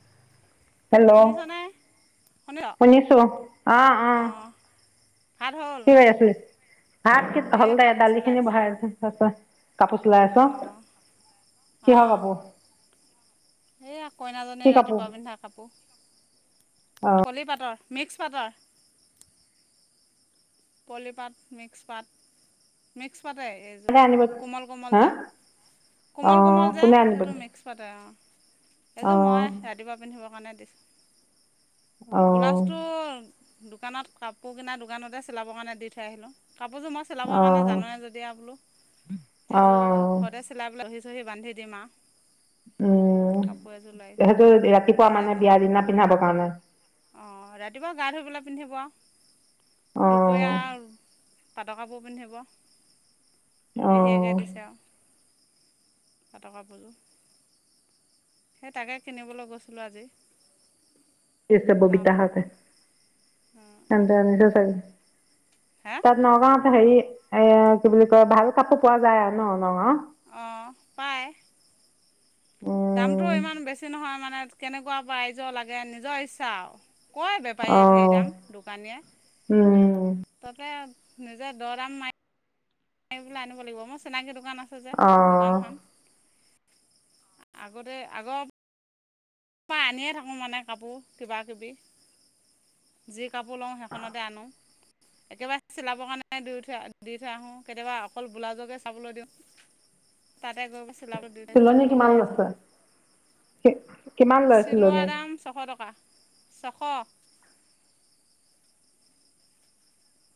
[inaudible] Hello! শুনিছনে শুনিছ শুনিছো আহ আহ। অঁ ভাত হ'ল কি [unintelligible] আছিলি? ভাত কি এই হলদেহ কাপোৰ দালিখিনি চিলাইছোঁ বহাই আছোঁ। কাপোৰ চিলাই আছ? অঁ কিহৰ অঁ কাপোৰ? এইয়া কইনাজনী কি কাপোৰ ৰাতিপুৱা পিন্ধা কাপোৰ। অ পলি পাটৰ। মিক্স পাটৰ পলিপাত, মিক্স পাত, মিক্স পাটে এইযোৰ, কোনে আনিব কোমল কোমল হা যে অ কোমল কোমল যে কোনে আনিব সেইটো দিছে মিক্স পাতে অ'। অ এইযোৰ মই ৰাতিপুৱা পিন্ধিবৰ কাৰণে দিছোঁ। অ ব্লাউজটো দোকানত কাপোৰ কিনাৰ দোকানতে চিলাবৰ কাৰণে দি থৈ আহিলোঁ। কাপোৰযোৰ মই অ চিলাবৰ কাৰণে জানোৱে যদি বোলো, অ এইযোৰ ঘৰতে চিলাবলৈ লৈ আহিছোঁ। হি বান্ধি দিম আৰু উম কাপোৰ এযোৰ লৈ আহিছোঁ সেইটো ৰাতিপুৱা মানে বিয়াৰ দিনা পিন্ধাবৰ কাৰণে। অ', ৰাতিপুৱা গা ধুই পেলাই পিন্ধিব আৰু, অ দুপৰীয়া পাটৰ কাপোৰ পিন্ধিব অ পেহীয়েকে দিছে আৰু পাটৰ কাপোৰযোৰ। সেই তাকে কিনিবলৈ গৈছিলোঁ আজি। চাবটা টাউনত হাতে ন থ [unintelligible] হে তাত নগাঁৱত হেৰি এ কি বুলি কয় ভাল কাপোৰ পোৱা যায় আৰু ন' নগাঁওত। অ', পায়। দামটো উম ইমান বেছি নহয় মানে কেনেকুৱা প্ৰইজৰ লাগে নিজৰ ইচ্ছা আৰু। কয় বেপাৰীয়ে ঢেৰ অঁ দাম, উম দোকানীয়ে তাতে নজা দৰ দাম মাই াৰ পলৈ [unintelligible] আনিব লাগিব মোৰ চিনাকি দোকান আছে যে, অঁ দোকানখন আগতে আগৰ আনিয়ে থাকোঁ মানে কাপোৰ কিবা কিবি যি। কাপোৰ লওঁ সেইখনতে আনো একতিয়বাৰে চিলাবৰ কাৰণে থ দিৰি থৈ আহো কেতিয়াবা অকল ব্লাাজকে চাবলৈ দিওঁ তাই গৈ চিলাব দিঠাইছো চিলনি কাপোৰ কিমান লৈ আহিছো লৈছে কিমান লৈছিল নে শ টকা ছশ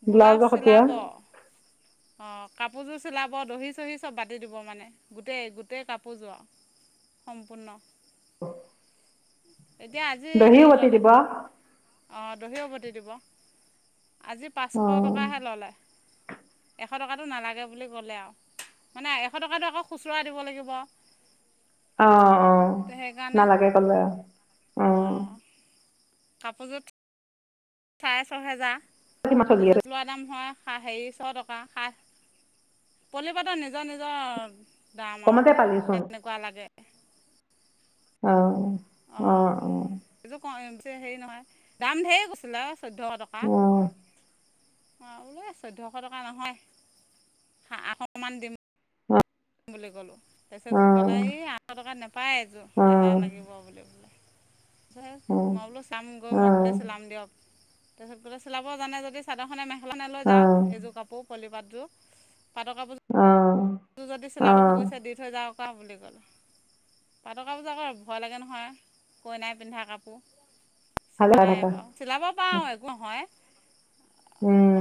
ব্লাউজ ব্লাউজৰ সৈতে চিলাব। অ'। কাপোৰযোৰ চিলাব দহি চহি চব বাতি দিব মানে গোটেই গোটেই কাপোৰযোৰৰ। সম্পূৰ্ণ এতিয়া আজি দহিও হেৰি বটি ল'লে দিব অঁ অ', দহিও বতি দিব। আজি পাঁচশ টকাহে ল'লে, এশ টকাটো নালাগে বুলি ক'লে আৰু। মানে এশ টকাতটো আকৌ খুচুৰা দিব লাগিব। অ অ সেইকাৰণে নালাগে ক'লে আৰু অ কপোগত চাৰে ছহেজাৰ কিমান চলি আছে তাৰপিছত লোৱা দাম হয় া হেৰি ছ টকা খা পলিপটোৰ নিজৰ নিজৰ দাম কমতে আৰু পালিচোন কেনেকুৱা লাগে আহ অঁ অ', এইযোৰ ক অ'। বেছি হেৰি নহয় দাম ঢেৰ কৈছিলে চৈধ্যশ টকা। অঁ অ' বোলো চৈধ্যশ টকা নহয় হা আশমান দিম। অঁ বুলি ক'লো অঁ তাৰপিছত ক'ললে এই এশ টকা নাপায় এযোৰ এহে লাগিব বুলি বোলে মই বোলো চাম গৈ মই ঘৰতে চলাম দিয়ক তাৰপিছত গোলে চিলাব জানে যদি চাদৰখনে মেখেলানে অঁ লৈ অঁ যাওক এইযোৰ কাপোৰ পলিপাতযোৰ পাতকাাপজা অঁ অঁ টো যদি চিলাব অ', ভুগৈছে দি থৈ যাকা বুলি ক'লে পাট কাপোৰজকৌ ভয় লাগে নহয় কই নাই পিন্ধা কাপোৰ ভালে চিলা চাই নাই থাকা বাৰু চিলাব পাৰো একো নহয়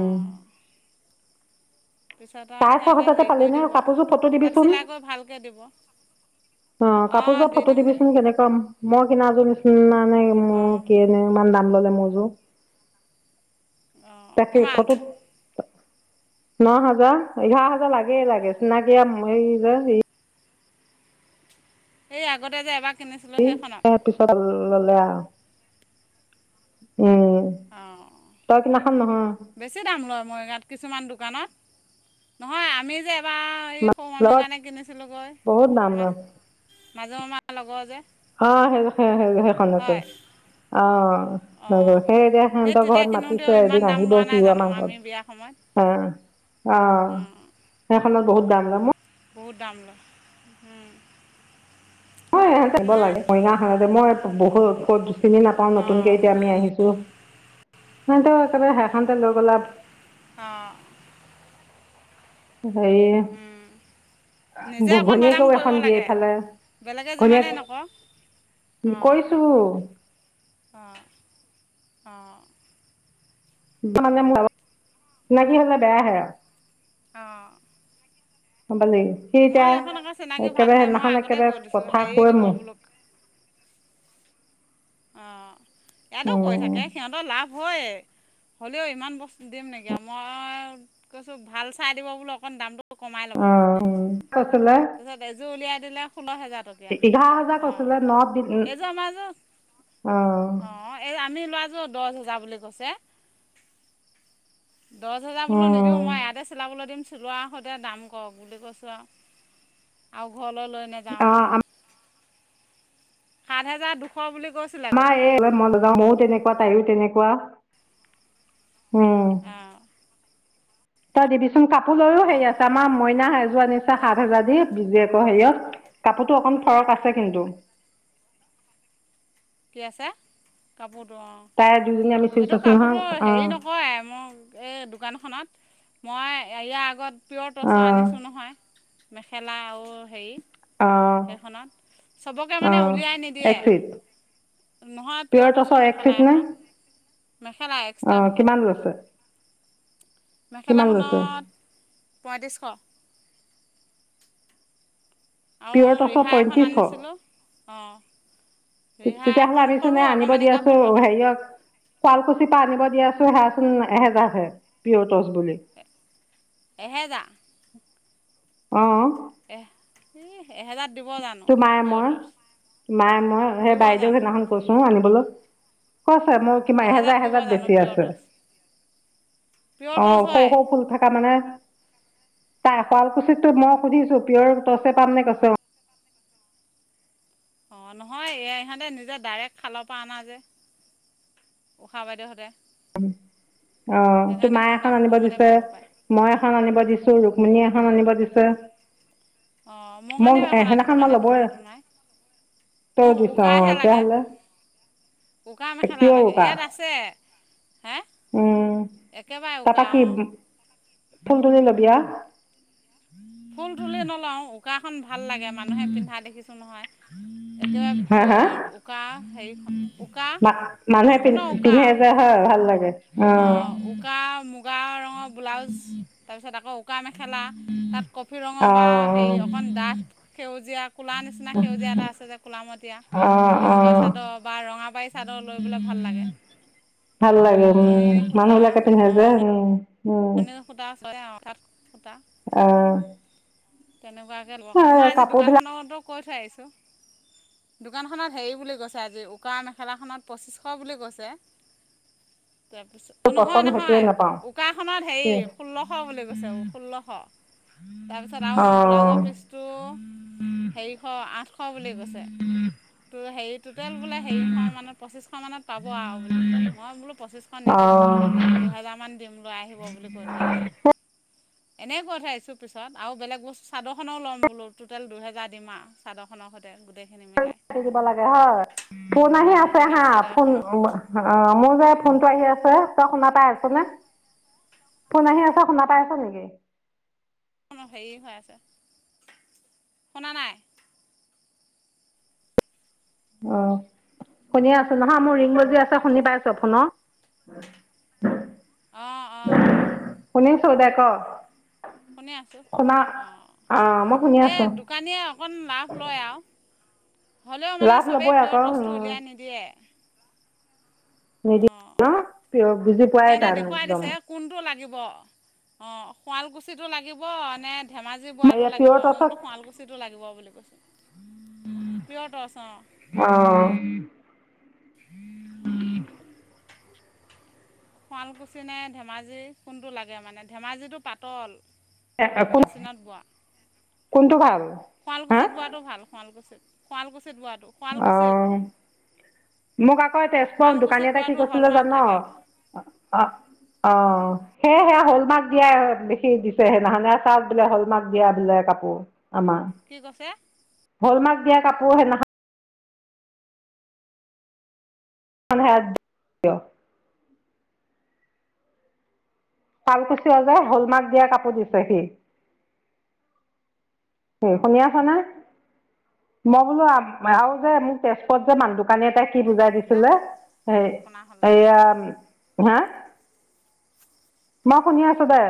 অঁ পিছত আৰু চাৰে ছয় সিহঁতে হাজাৰতে হেৰি পালি কৰি নে দিব কাপোৰযোৰ ফটো তাত দিবিচোন চিলাই কৰি ভালকৈ দিব অ অঁ কাপোৰযোৰ দি ফটো দিম দে দিবিচোন কেনেকুৱা মই কিনাযোৰ নিচিনা নে অঁ মোৰ কি ন কিমান দাম ললে মৌজু অঁ তাকে কিমান কটোত ন হাজাৰ এঘাৰ হাজাৰ লাগে লাগেছ ন কি আমি এই আগতে যে এবাৰ কিনিছিলোঁ সেইখনত পিছত ল'লে আৰু অঁ তই কিনাখন নহয় মৰিগাঁৱ কিছুমান দোকানত নহয় আমি যে তপা এই সৌ মমি লগত কাৰণে কিনিছিলোঁগৈ বহুত দাম মা লয় মাজু মমাৰ লগৰ যে অ' সেই সে সেই সেইখনতে হয় অ'। অঁ সেই এতিয়া সেই সিহঁতৰ তেতিয়া ঘৰত কিনোতে মাতিছে ইমান এদিন দাম আহিব লোৱা নাই শিৱৰ জানো মা ঘত আমি বিয়া সময়ত অ', অ' অঁ সেইখনত বহুত দাম লাম। বহুত দাম লয়। থাক নাই লাগে মইন সতে মই বহুতুত। চিনি নাপাও নতুনকে অঁ এতিয়া আমি আহিছো ন একেবাৰে হেখনতে লৈ গ'ল অ এইে নিজে অকণ দৰাম কৰিব লাগে বেলেগে যিমানেই নকওঁ। কি কৈছো? অ ন কি হল বেয়া হ অ'। কালি সি এতিয়া চিনাকি একেবাৰে ভালহে মই নহলেে আগতে কৈ একবাৰে দিছোঁ কথা হেৰি কয় দিব মোক। বোলো অ' ইয়াতো কৈ উম থাকে সিহঁতৰ লাভ হয়েই। হ'লেও ইমান বস্তু দিম নেকি মই কৈছো ভাল চাই দিব বোলো অকণ দামটো। কমাই ল'ব অ বুলি ক উম কৈছিলে তাৰপিছত এযোৰ উলিয়াই দিলে ষোল্ল হেজাৰ টকীয়া এঘাৰ হাজাৰ অ'। কৈছিলে ন দিল [unintelligible] অ' এই আমি লোৱা যো দহ হেজাৰ বুলি কৈছে। দহ হাজাৰ বোল নিদিও উম মই ইয়াতে চিলাবলৈ দিম চোৱাৰ সৈতে দাম কৰক বুলি কৈছোঁ আৰু আৰু ঘৰত ল লৈ নযাওঁ। অ সাত হাজাৰ দুশ বুলি আমা কৈছিলেগৈ এই মাও ময়ও তেনেকুৱা তাইও তেনেকুৱা উঁ অঁ তই অঁ দিবিচোন কাপোৰ লৈয়ও হেৰি অঁ আছে আমাৰ মইনা স যোৱা নিচ্চা সাত সেইকাৰণে হাজাৰ দিে হেৰিয়ত কাপোৰতো অকন ফৰক আছে কিন্তু কি আছে কাপোৰ অ' তাই দুজনী আমি চিউচ এইটো আছো কাপোৰটো নহয় অ হেৰি নকয় মোক এই দোকানখনত মই ইয়াৰ আগত পিয়ৰ তটচৰ আনিছোঁ অ নহয় মেখেলা অ আৰু। খনবে মান অ উলিয়াই নিদিয়ে। একচিট নহয় পিয়ৰ পিয়ৰটছৰ টচৰ মেখেলা একচিট নে এখন মেখেলা অ এক্সট্ৰা মেখেলা। কিমান লৈছে কিমান লৈছে মেখেলাখনত পঁয়ত্ৰিছশ আৰু পিয়ৰ টচৰ ৰিহাই এখন পঁয়ত্ৰিছশ আনিছিলোঁ অঁ ৰিহা তেতিয়াহলে এখন আাবিছোন ন সৰু আনিব দি অকণমানিকা আছো ফুল থকা হেৰিয়ক শুৱালকুছিৰ পৰা আনিব দিয়াছো হেচোন এহেজাৰ হে বিিয় বুলি এহেজাৰ অ এ তোৰ মায়ে মই ত মায়ে মই সেই দিব বাইদেউ জানো সেইদিনাখন কৈছো আনিবলৈ কছে মোৰ কিমান এহেজাৰত এহেজাৰ দিব এহেজাৰ জানো বেছি পিয়ৰ আছে টচ পিয়ৰ অ টচ সৌ হয় সৌ ফুল থকা মানে তাই শুৱালকুছিতো মই সুধিছো পিয়ৰ তছে পাম নে কৈছে অঁ নহয় ইহঁতে নিজে ডাইৰেক্ট খালৰ পৰা অনা যে উশাহ বাইদেউহঁতে উম অ তো সেইকাৰণে মায়ে অকণ এখন দাম আনিব কমতে দিছে পাব পায় মই এখন আনিব দিছো ৰুক্মণী এখন হ নি বাজিছে অঁ মোৰ কাৰণেও এখন আনিবৰ কাৰণে দিচোনটো নাই তৰ দিছ অ তোহলে ককা মেখেলা লাগে ইয়াত আছে হে উম একেবাৰে তাৰাপা উকা কি অঁ ফুল তুলি লবিয়া ফুল তুলি নলও উকাখনন ভাল লাগে মানুহে পিন্ধা দেখিছো নহয় উম একতিোৰে প্ৰিয় উকা হেৰি উকা মা মানুহে পিন্ধ সম্পূৰ্ণ উকা পিন্ধে যে হয় ভাল লাগে আৰু অ' উকা মুগা ৰঙৰ ব্লাউজ। তাৰপিছত আকৌ উকা মেখেলা তাত কফি ৰঙৰ বা হেৰি অ', অকণ ডাঠ সেউজীয়া ক'লা নিচিনা সেউজীয়া এটা আছে যে ক'লামতীয়া অ', তেনেকুৱা অ'। চাদৰ বা ৰঙাবাৰী চাদৰ লৈ পেল ভাল ভাল লাগে। ভাল লাগে উম নুনি মানুহ বিলাকে পিনে যে উম। ম সুধা আ হয় আহ। আহ তেনেকুৱাকৈ ল'বৰ কাৰণে মই আজি দোকানখনতো কৈ থৈ আহিছোঁ দোকানখনত হেৰি বুলি কৈছে আজি উকা মেখেলাখনত পঁচিছশ বুলি কৈছে উ তাৰপিছত নহয় নহয় উকাখনত হেৰি অ', ষোল্লশ বুলি কৈছে ষোল্লশ উম তাৰ মই ব্লাউজৰ পিচটো হেৰিশ আঠশ বুলি কৈছে ট'টেল বোলে হেৰিশ মানত পঁচিছশ মানত পাব আৰু বোলে মই বোলো পঁচিছশ নিদিওঁ দুহেজাৰ মান দিম লৈ আহিব বুলি কৈ থৈছো এনেই কৈ থৈছো পিছত আৰু বেলেগ বস্তু চাদৰখনেও ল'ম বোলো টটোটেল দুইহেজাৰ দিম আৰু চাদৰখনৰ সৈতেটেই দিবা লাগে হয়। ফোন আহি আছে বেলেগ হা চাদৰ ফোন এখনো অ মোৰ যে ফোন টো আহি আছে। তই শুনা পাই আছ নে কোন আহি আছে শুনা পাই আছ নেকি অ হেৰি হৈ আছে শুনা নাই আহ শুনি আছো নহয় মোৰ ৰিং বজি আছে শুনি পাইছোপুনৰ অঁ অঁ কুনে চৌধ ক শুনি আছোঁ শুনা অ অ', মই শুনি এই আছো। দোকানীয়ে অকণ লাভ লয় আৰু হ'লেও মানে লাভ চবেই ল'বই আকৌ পিয়ৰ বস্তু উলিয়াই নিদিয়ে নিদি অঁ ন ক বুজি পোৱাই সিহঁতে তাৰান দেখুৱাই দিছে একদম [unintelligible] ধেমাজি বৰাটো লাগিব এয়া পিয়ৰ আৰু মই টছত বো শুৱালকুছিটো লাগিব বুলি কছোঁ পিয়টচ অ'। উম। শুৱালকুছি নে ধেমাজি কোনটো লাগে মানে ধেমাজিটো পাতল। কোন মেচিনত বোৱা কোনটো ভাল? হা শুৱালকুছিত বোৱাটো ভাল শুৱালকুছিত শুৱালকুছিত বোৱাটো অ শুৱালকুছিত মোক আকৌ তেজপুৰ শুৱালকুছিত দোকানী এটা কি বোৱাটো কৈছিলে হলমাৰ্ক জান অ থাকে অ' সেয় হলমাৰ্ক দিয়াই বেি দিছে সেইদিনাখনেে চাওক বোলে হলমাৰ্ক দিয়া বোলে কাপোৰ আমাক। কি কৈছে? হল মাৰ্ক দিয়া কাপোৰো সেনাখা হ শালকুচিৱা যায় হলমাক্ দিয়া কাপোৰ দিছে সি শুনি আছে নে? মই বোলো আৰু যে মোক তেজপুৰত যে মান দোকানী এটাই কি বুজাই দে দিছিলে নুশুনা হ'লে এয়া হা। মই শুনি আছো দে।